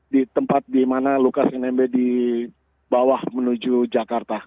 di tempat di mana lukas nmb di bawah menuju jakarta